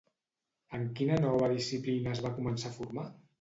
En quina nova disciplina es va començar a formar?